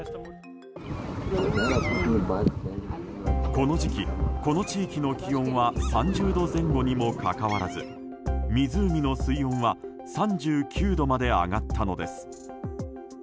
この時期、この地域の気温は３０度前後にもかかわらず湖の水温は３９度まで上がったのです。